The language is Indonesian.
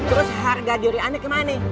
terus harga diri ana kemana nih